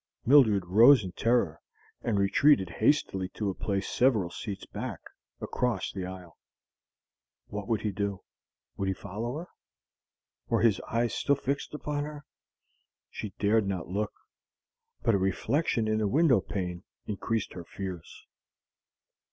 Mildred rose in terror and retreated hastily to a place several seats back, across the aisle. What would he do? Would he follow her? Were his eyes still fixed upon her? She dared not look; but a reflection in the window pane increased her fears.